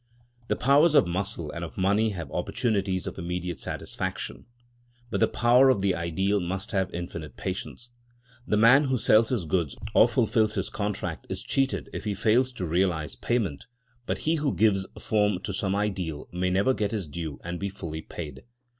The powers of muscle and of money have opportunities of immediate satisfaction, but the power of the ideal must have infinite patience. The man who sells his goods, or fulfils his contract, is cheated if he fails to realise payment, but he who gives form to some ideal may never get his due and be fully paid.